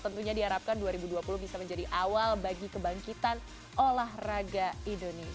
tentunya diharapkan dua ribu dua puluh bisa menjadi awal bagi kebangkitan olahraga